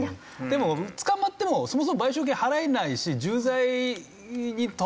でも捕まってもそもそも賠償金払えないし